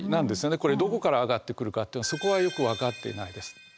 これどこから上がってくるかっていうそこはよく分かっていないです。